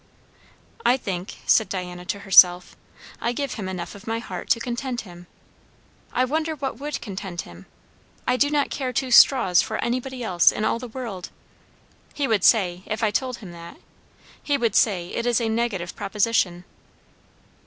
"I think," said Diana to herself, "I give him enough of my heart to content him. I wonder what would content him? I do not care two straws for anybody else in all the world. He would say, if I told him that, he would say it is a negative proposition.